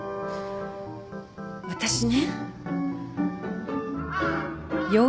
私ね。